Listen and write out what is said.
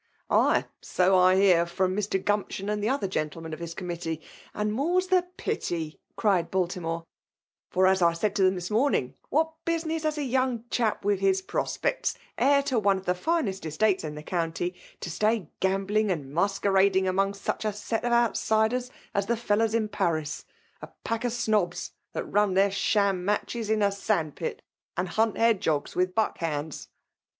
"Aj, so I hear from Mr. Gumption and the other gentlemen of his Committee ; and more's the pity," cried Baltimore ;" for, as I said to 'em this morning, what business has a young chap with his prospects, heir to one of the finest estates in the county, to stay gam bling and masquerading among such a set of outsiders as the fellows in Paris, a pack of BOobs, that run their sham matches in a sand* pit, and hunt hedgehogs with buckhounds